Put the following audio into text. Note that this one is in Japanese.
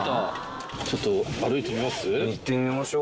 ちょっと歩いてみます？